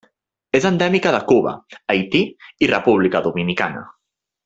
És endèmica de Cuba, Haití i República Dominicana.